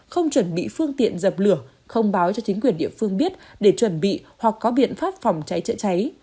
không chuẩn bị phương tiện dập lửa không báo cho chính quyền địa phương biết để chuẩn bị hoặc có biện pháp phòng cháy chữa cháy